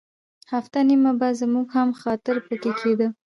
هفته نیمه به زموږ هم خاطر په کې کېده.